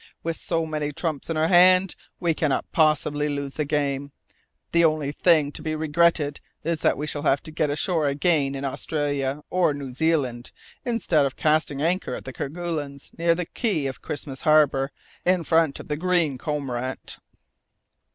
With so many trumps in our hand we cannot possibly lose the game. The only thing to be regretted is that we shall have to get ashore again in Australia or New Zealand, instead of casting anchor at the Kerguelens, near the quay of Christmas Harbour, in front of the Green Cormorant."